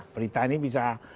berita ini bisa